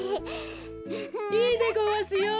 いいでごわすよ！